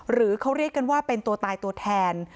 หรือเขาเรียกกันว่าเป็นตัวตายตัวแทน